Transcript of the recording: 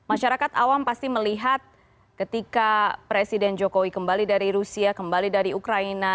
masyarakat awam pasti melihat ketika presiden jokowi kembali dari rusia kembali dari ukraina